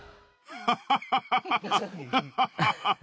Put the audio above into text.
ハハハハハ！